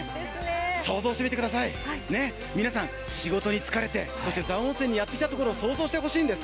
想像してみてください、皆さん、仕事に疲れて、そして蔵王温泉にやってきたことを想像してほしいんです。